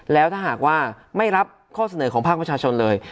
แล้วถ้าหากว่าไม่รับข้อเสนอของภาคประชาชนเลย